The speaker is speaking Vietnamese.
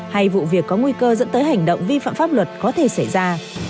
hay vụ việc có nguy cơ dẫn tới hành động vi phạm pháp luật có thể xảy ra